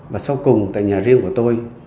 và sau cùng tại nhà riêng của tôi